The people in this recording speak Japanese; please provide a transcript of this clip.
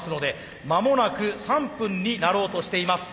間もなく３分になろうとしています。